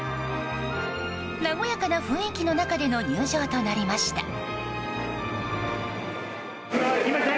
和やかな雰囲気の中での入場となりました。